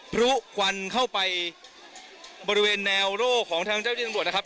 พลุควันเข้าไปบริเวณแนวโร่ของทางเจ้าที่ตำรวจนะครับ